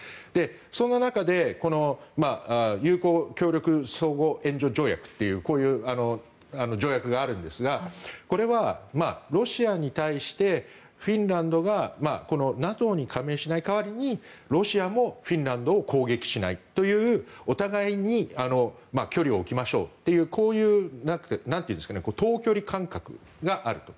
そんな中で友好協力相互援助条約というこういう条約があるんですがこれはロシアに対してフィンランドがこのＮＡＴＯに加盟しない代わりにロシアもフィンランドを攻撃しないというお互いに距離を置きましょうというこういう等距離間隔があると。